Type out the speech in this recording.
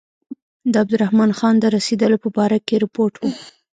د عبدالرحمن خان د رسېدلو په باره کې رپوټ و.